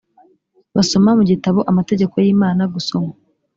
basoma mu gitabo amategeko y imana gusoma